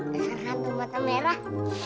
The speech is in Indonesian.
dasar hantu mata merah